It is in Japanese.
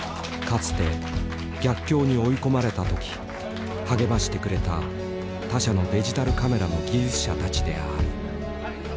かつて逆境に追い込まれた時励ましてくれた他社のデジタルカメラの技術者たちである。